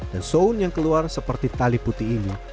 dan soun yang keluar seperti tali putih ini